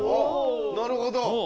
なるほど。